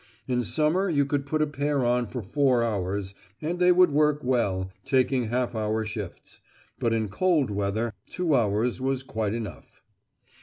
In summer you could put a pair on for four hours, and they would work well, taking half hour shifts; but in cold weather two hours was quite enough.